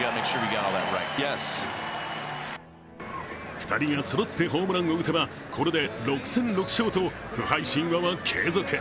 ２人がそろってホームランを打てば、これで６戦６勝と不敗神話は継続。